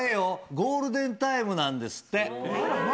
ゴールデンタイムなんですって。